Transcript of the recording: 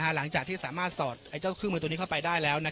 หลังจากที่สามารถสอดเจ้าเครื่องมือตัวนี้เข้าไปได้แล้ว